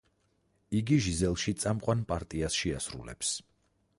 იგი „ჟიზელში“ წამყვან პარტიას შეარულებს.